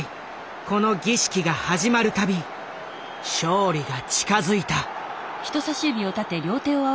この儀式が始まるたび勝利が近づいた。